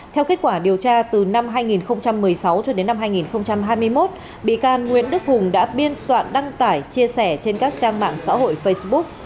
theo kết quả điều tra từ năm hai nghìn một mươi sáu cho đến năm hai nghìn hai mươi một bị can nguyễn đức hùng đã biên soạn đăng tải chia sẻ trên các trang mạng xã hội facebook